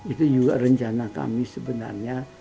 itu juga rencana kami sebenarnya